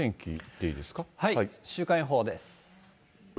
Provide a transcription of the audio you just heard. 週間予報です。